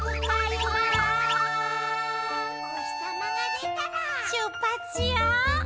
「おひさまがでたらしゅっぱしよう！」